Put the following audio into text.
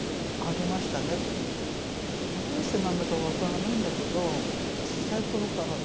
どうしてなんだか分からないんだけど小さいころからね